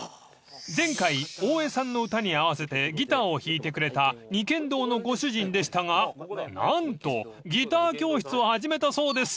［前回大江さんの歌に合わせてギターを弾いてくれた二軒堂のご主人でしたが何とギター教室を始めたそうです］